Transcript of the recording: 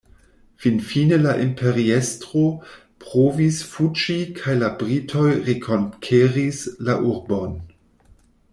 Finfine la imperiestro provis fuĝi kaj la britoj rekonkeris la urbon.